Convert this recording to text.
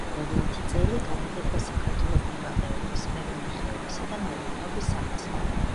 ბოლო ათი წელი განაგებდა საქართველოს მებაღეობის, მევენახეობისა და მეღვინეობის სამეცნიერო-კვლევით ინსტიტუტს.